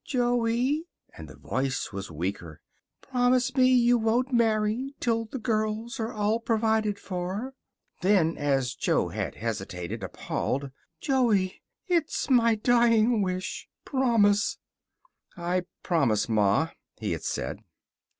"Joey," and the voice was weaker, "promise me you won't marry till the girls are all provided for." Then as Jo had hesitated, appalled: "Joey, it's my dying wish. Promise!" "I promise, Ma," he had said.